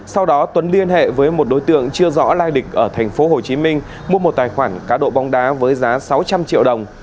sau đó tuấn liên hệ với một đối tượng chưa rõ lai địch ở thành phố hồ chí minh mua một tài khoản cá độ bóng đá với giá sáu trăm linh triệu đồng